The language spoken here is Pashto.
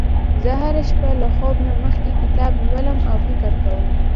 زه هره شپه له خوب نه مخکې کتاب لولم او فکر کوم